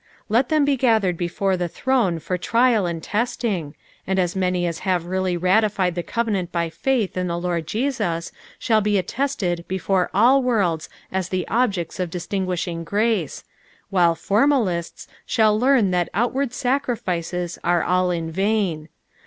Let them be gathered before the throne for trial and testing, and as maDj as have reall; ratified the covenant bj faith in the Lord Jegiis shall be • attested before all worlds as the objects of distinguishing grace, while formalists sball learn that outward sacrifices are all in vain.